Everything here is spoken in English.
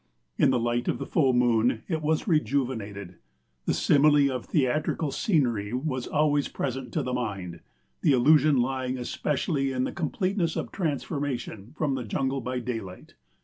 In the light of the full moon it was rejuvenated. The simile of theatrical scenery was always present to the mind, the illusion lying especially in the completeness of transformation from the jungle by daylight.